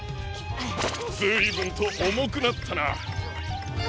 ずいぶんとおもくなったな。